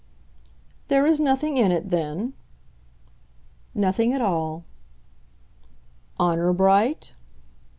"There is nothing in it, then?" "Nothing at all." "Honour bright?"